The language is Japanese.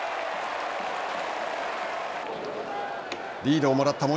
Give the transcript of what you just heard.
リードをもらった森。